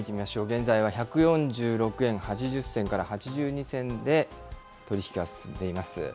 現在は１４６円８０銭から８２銭で取り引きが進んでいます。